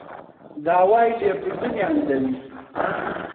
داوای لێبوردنیان دەویست.